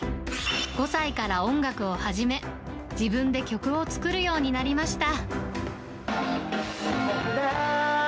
５歳から音楽を始め、自分で曲を作るようになりました。